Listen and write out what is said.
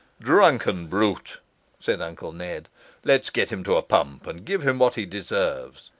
'Drunken brute!' said Uncle Ned, 'let's get him to a pump and give him what he deserves.